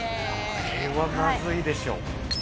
これはまずいでしょう。